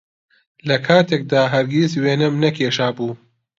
لەکاتێکدا هەرگیز وێنەم نەکێشابوو